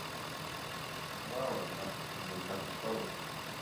Northwestern College has the most tournament championship game appearances with six.